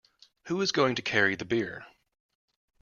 Who is going to carry the beer?